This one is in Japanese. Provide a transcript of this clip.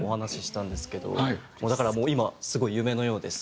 だからもう今すごい夢のようです